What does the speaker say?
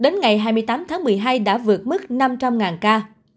đến ngày hai mươi tám tháng một mươi hai đã vượt mức năm trăm linh ca